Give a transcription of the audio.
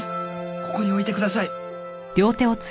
ここに置いてください！